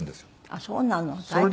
あっそうなの。